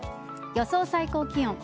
予想最高気温。